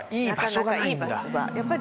いい場所がないんだ。